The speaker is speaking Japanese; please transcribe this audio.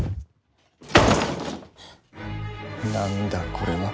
何だこれは。